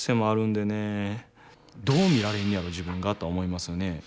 どう見られんねやろ自分がとは思いますよね。